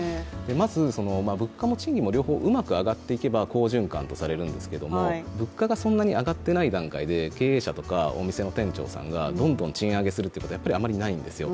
まず物価も賃金も両方うまく上がっていけば好循環とされるんですけど、物価がそんなに上がっていない段階で経営者とか、お店の店長さんがどんどん賃上げするということはないんですよ。